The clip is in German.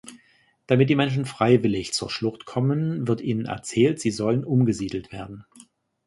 Damit die Menschen freiwillig zur Schlucht kommen, wird ihnen erzählt, sie sollen umgesiedelt werden.